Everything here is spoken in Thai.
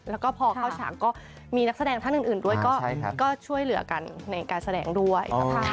แล้วก็พอเข้าฉากก็มีนักแสดงท่านอื่นด้วยก็ช่วยเหลือกันในการแสดงด้วย